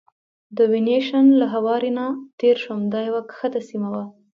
د وینیشن له هوارې نه تېر شوم، دا یوه کښته سیمه وه.